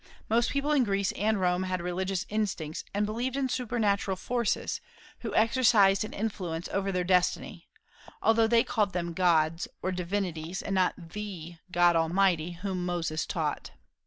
Most people in Greece and Rome had religious instincts, and believed in supernatural forces, who exercised an influence over their destiny, although they called them "gods," or divinities, and not the "God Almighty" whom Moses taught.